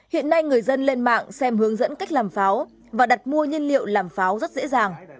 hiện nay người dân lên mạng xem hướng dẫn cách làm pháo và đặt mua nhân liệu làm pháo rất dễ dàng